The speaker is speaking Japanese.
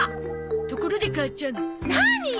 ところで母ちゃん。何よ！